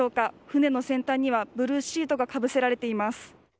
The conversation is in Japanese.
船の先端にはブルーシートがかぶせられています。